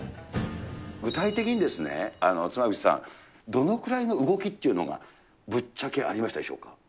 具体的にですね、妻夫木さん、どのくらいの動きというのが、ぶっちゃけありましたでしょうか。